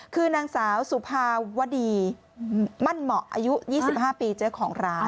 คือนางสาวสุภาวดีมั่นเหมาะอายุ๒๕ปีเจ้าของร้าน